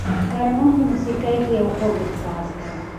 ترنم په موسیقۍ کې یو خوږ احساس دی.